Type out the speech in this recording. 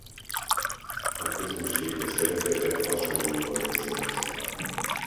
A közönség e szeretetet hasonlóval viszonozta.